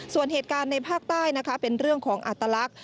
ส่วนเหตุการณ์ในภาคใต้นะคะเป็นเรื่องของอัตลักษณ์